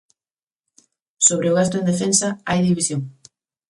Sobre o gasto en defensa, hai división.